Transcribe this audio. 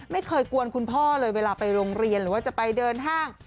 ไม่เคยกวนคุณพ่อเลยเวลาไปโรงเรียนหรือว่าจะไปเดินห้าง